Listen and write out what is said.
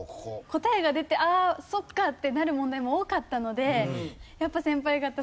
答えが出て「ああそっか」ってなる問題も多かったのでやっぱ。